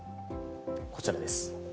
こちらです。